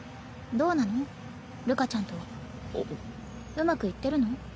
うまくいってるの？